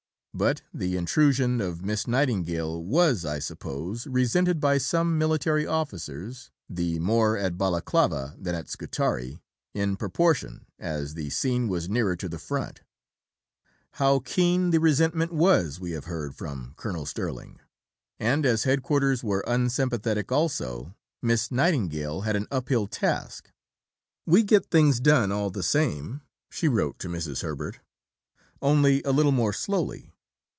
But the intrusion of Miss Nightingale was, I suppose, resented by some military officers the more at Balaclava than at Scutari, in proportion as the scene was nearer to the front; how keen the resentment was, we have heard from Colonel Sterling. And as Headquarters were unsympathetic also, Miss Nightingale had an uphill task. "We get things done all the same," she wrote to Mrs. Herbert, "only a little more slowly.